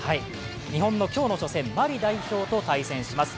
日本の今日の初戦マリ代表と対戦します。